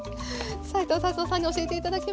斉藤辰夫さんに教えて頂きました。